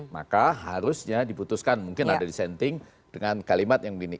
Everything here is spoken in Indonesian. maka harusnya diputuskan mungkin ada dissenting dengan kalimat yang begini